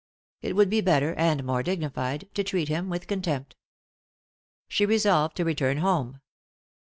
It would be better, and more dignified, to treat him with contempt She resolved to return home.